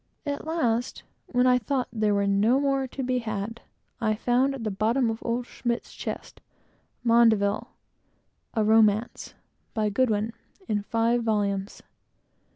At last, when I thought that there were no more to be got, I found, at the bottom of old Schmidt's chest, "Mandeville, a Romance, by Godwin, in five volumes."